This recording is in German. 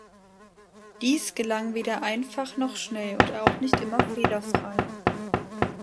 Dies gelang weder einfach noch schnell und auch nicht immer fehlerfrei.